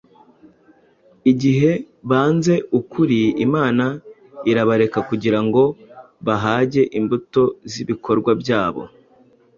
Igihe banze ukuri, Imana irabareka kugira ngo bahage imbuto z’ibikorwa byabo